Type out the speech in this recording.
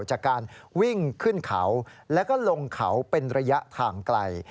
จากการวิ่งขึ้นเขาแล้วก็ลงเขาเป็นระยะทางไกล